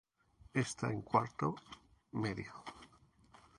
Está en cuarto medio.